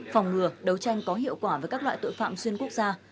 phòng ngừa đấu tranh có hiệu quả với các loại tội phạm xuyên quốc gia